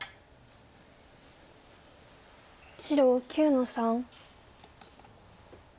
白９の三。